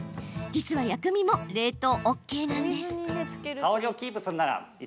実は薬味も冷凍ＯＫなんです。